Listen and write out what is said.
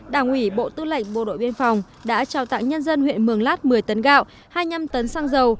đảng ủy bộ tư lệnh bộ đội biên phòng đã trao tặng nhân dân huyện mường lát một mươi tấn gạo hai mươi năm tấn xăng dầu